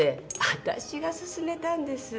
私が勧めたんです。